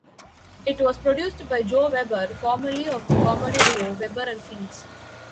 It was produced by Joe Weber, formerly of the comedy duo Weber and Fields.